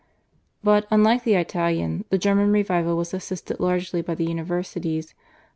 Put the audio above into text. But, unlike the Italian, the German revival was assisted largely by the universities.